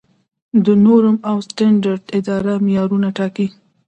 د نورم او سټنډرډ اداره معیارونه ټاکي